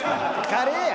カレーや。